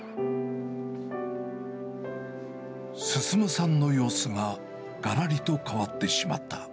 進さんの様子ががらりと変わってしまった。